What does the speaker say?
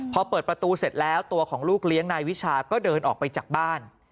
พอเปิดประตูเสร็จแล้วตัวของลูกเลี้ยงนายวิชาก็เดินออกไปจากบ้าน